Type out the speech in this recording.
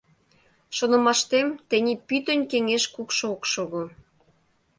Шонымаштем, тений пӱтынь кеҥеж кукшо ок шого.